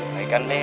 baikkan deh ya